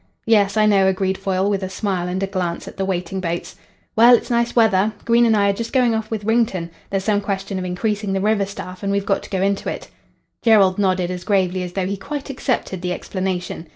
"Yes, I know," agreed Foyle, with a smile and a glance at the waiting boats. "Well, it's nice weather. Green and I are just going off with Wrington. There's some question of increasing the river staff, and we've got to go into it." Jerrold nodded as gravely as though he quite accepted the explanation.